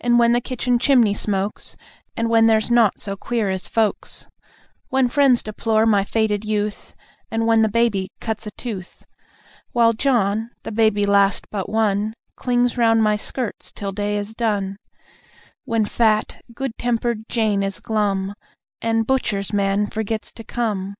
And when the kitchen chimney smokes, And when there's naught so "queer" as folks! When friends deplore my faded youth, And when the baby cuts a tooth. While John, the baby last but one, Clings round my skirts till day is done; When fat, good tempered Jane is glum, And butcher's man forgets to come.